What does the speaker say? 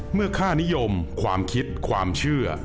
ค่านิยมความคิดความเชื่อ